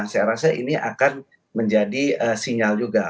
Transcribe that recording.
saya rasa ini akan menjadi sinyal juga